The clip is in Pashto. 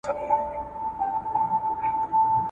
هره ورځ به د رمی په ځان بلا وي !.